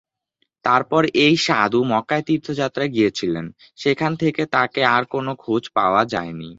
তারপর এই সাধু মক্কায় তীর্থযাত্রায় গিয়েছিলেন, সেখান থেকে তাঁর আর কোন খোঁজ পাওয়া যায়নি।